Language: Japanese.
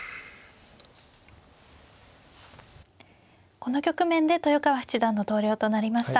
この局面で豊川七段の投了となりました。